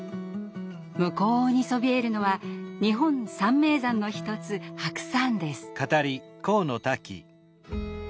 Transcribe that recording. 向こうにそびえるのは日本三名山の一つ白山です。